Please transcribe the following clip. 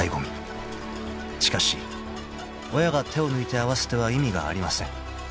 ［しかし親が手を抜いて合わせては意味がありません］